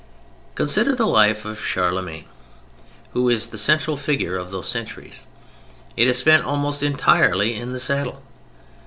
Consider the life of Charlemagne, who is the central figure of those centuries. It is spent almost entirely in the saddle.